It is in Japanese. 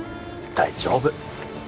大丈夫